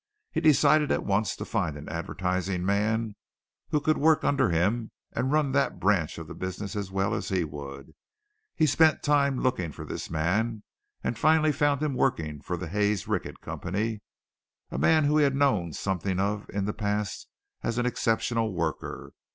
He decided at once to find an advertising man who could work under him and run that branch of the business as well as he would. He spent some time looking for this man, and finally found him working for the Hays Rickert Company, a man whom he had known something of in the past as an exceptional worker.